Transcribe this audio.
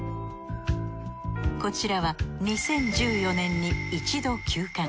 こちらは２０１４年に一度休館。